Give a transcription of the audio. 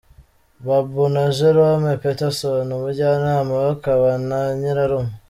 Babou na Jerome Patterson, umujyanama we akaba na Nyirarume.